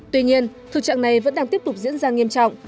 tuy nhiên thực trạng này vẫn đang tiếp tục diễn ra nghiêm trọng